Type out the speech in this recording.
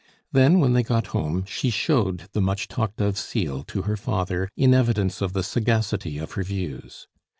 Then, when they got home, she showed the much talked of seal to her father in evidence of the sagacity of her views.